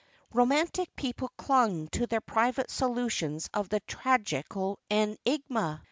Romantic people clung to their private solutions of the tragical enigma.